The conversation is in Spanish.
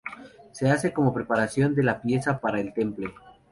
Se hace como preparación de la pieza para el temple.